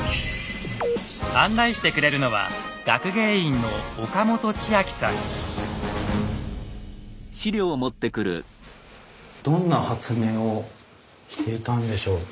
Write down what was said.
案内してくれるのはどんな発明をしていたんでしょう？